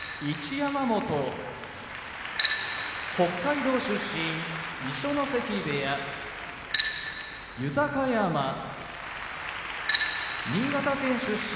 山本北海道出身二所ノ関部屋豊山新潟県出身